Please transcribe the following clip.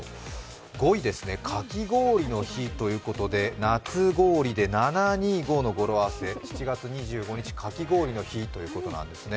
５位ですね、かき氷の日ということで夏氷で７２５の語呂合わせ、７月２５日、かき氷の日ということなんですね。